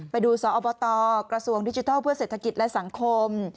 ไปดูสอบตกระทรวงดิจิทัลเพื่อเศรษฐกิจและสังคม